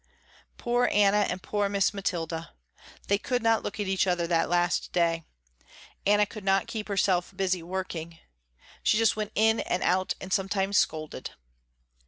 Poor Anna and poor Miss Mathilda. They could not look at each other that last day. Anna could not keep herself busy working. She just went in and out and sometimes scolded.